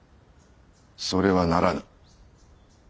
それはならぬ。